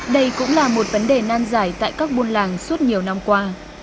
đây cũng là một vấn đề nan giải tại các buôn làng suốt nhiều năm qua